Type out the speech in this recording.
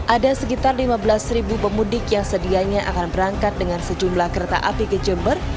ada sekitar lima belas pemudik yang sedianya akan berangkat dengan sejumlah kereta api ke jember